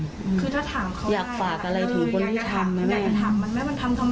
อืมคือถ้าถามเขาอยากฝากอะไรถึงคนที่ทำอยากจะถามมันไหม